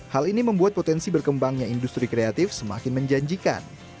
hal ini membuat potensi berkembangnya industri kreatif semakin menjanjikan